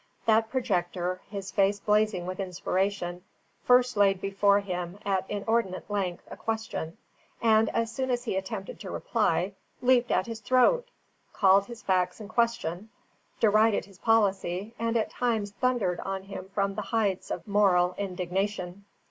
That projector, his face blazing with inspiration, first laid before him at inordinate length a question, and as soon as he attempted to reply, leaped at his throat, called his facts in question, derided his policy, and at times thundered on him from the heights of moral indignation.